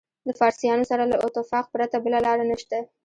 د فارسیانو سره له اتفاق پرته بله لاره نشته.